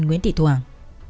nguyễn thị thuong